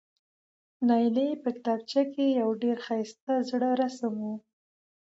نایلې په کتابچه کې یو ډېر ښایسته زړه رسم و،